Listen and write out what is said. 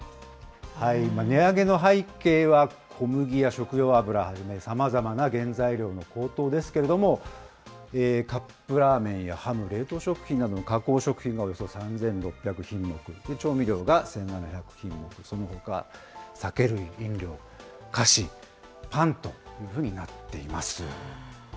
値上げの背景は、小麦や食用油はじめ、さまざまな原材料の高騰ですけれども、カップラーメンやハム、冷凍食品などの加工食品がおよそ３６００品目、調味料が１７００品目、そのほか酒類・飲料、菓子、パンというふうになっています。